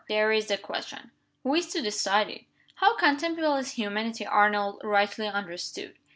There is the question. Who is to decide it? How contemptible is humanity, Arnold, rightly understood!